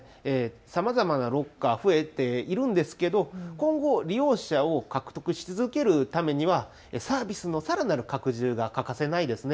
さまざまなロッカー、増えているんですが今後、利用者を獲得し続けるためにはサービスのさらなる拡充が欠かせないです。